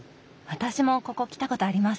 私もここ来たことあります。